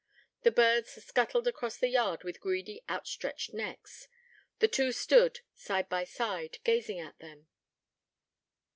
The birds scuttled across the yard with greedy, outstretched necks. The two stood, side by side, gazing at them.